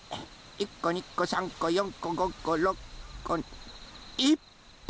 １こ２こ３こ４こ５こ６こいっぱい！